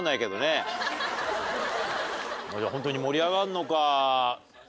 じゃあホントに盛り上がるのか。